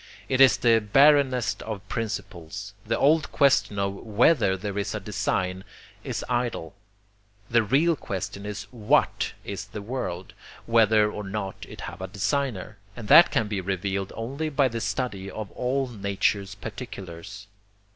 It is the barrenest of principles. The old question of WHETHER there is design is idle. The real question is WHAT is the world, whether or not it have a designer and that can be revealed only by the study of all nature's particulars.